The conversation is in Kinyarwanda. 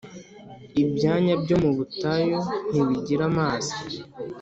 ibyanya byo mu butayu ntibigira amazi.